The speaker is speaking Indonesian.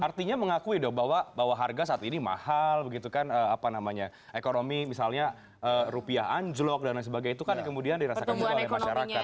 artinya mengakui dong bahwa harga saat ini mahal begitu kan apa namanya ekonomi misalnya rupiah anjlok dan lain sebagainya itu kan kemudian dirasakan juga oleh masyarakat